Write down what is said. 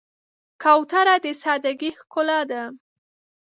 کوتره د سادګۍ ښکلا ده.